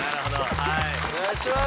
お願いします！